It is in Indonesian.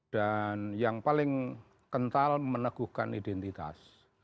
dan yang paling kental meneguhkan identitas